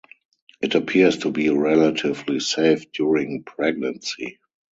It appears to be relatively safe during pregnancy.